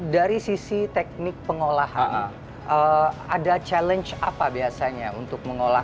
dari sisi teknik pengolahan ada challenge apa biasanya untuk mengolah